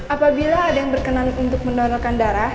apabila ada yang berkenan untuk mendonorkan darah